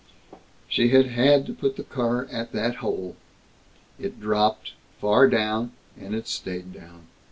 She had had to put the car at that hole. It dropped, far down, and it stayed down.